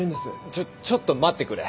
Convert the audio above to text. ちょちょっと待ってくれ。